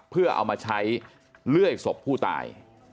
เพื่อเอามาใช้เลื่อยศพผู้ตาย